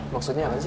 maksudnya apa sih